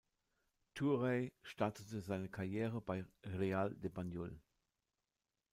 Touray startete seine Karriere bei Real de Banjul.